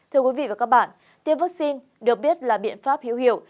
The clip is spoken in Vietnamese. thưa quý vị và các bạn tiêm vaccine được biết là biện pháp hữu hiệu